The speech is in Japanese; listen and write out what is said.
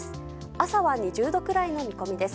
朝は２０度くらいの見込みです。